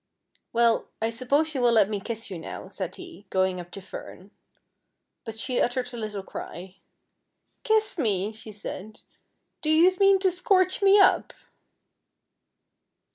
"Well, I suppose you will let me kiss you now," saiil he, going up to Fern. But she uttered a little cr\'. "Kiss mel"shesaid; "do you mean to scorch me up.'"